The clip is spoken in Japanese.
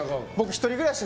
１人暮らし？